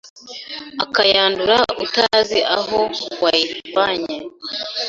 ukayandura utazi aho wayivanye